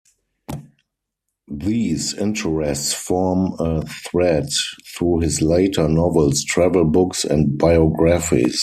These interests form a thread through his later novels, travel books and biographies.